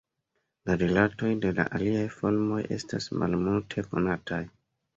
La rilatoj de la aliaj formoj estas malmulte konataj.